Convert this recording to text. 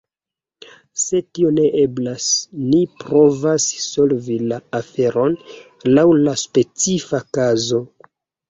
Se tio ne eblas, ni provas solvi la aferon laŭ la specifa kazo.